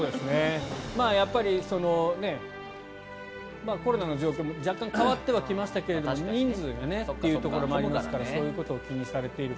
やっぱり、コロナの状況も若干変わってはきましたが人数がねというところもありますからそういうことを気にされている方。